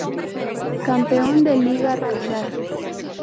Campeón de la liga regular.